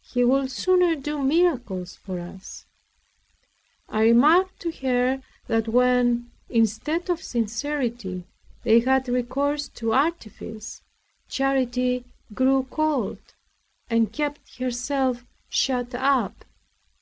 He would sooner do miracles for us. I remarked to her that when, instead of sincerity, they had recourse to artifice, charity grew cold, and kept herself shut up.